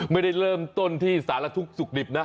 ไม่ได้เริ่มต้นที่สารทุกข์สุขดิบนะ